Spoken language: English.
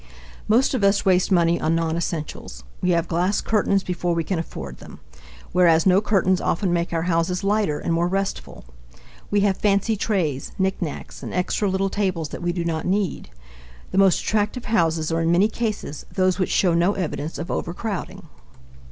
Most of us waste money on nonessentials. We have glass curtains before we can afford them, whereas no curtains often make our houses lighter and more restful. We have fancy trays, knickknacks, and extra little tables that we do not need. The most attractive houses are in many cases those which show no evidence of overcrowding.